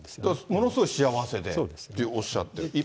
ものすごい幸せでとおっしゃってる。